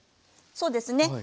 そうですね。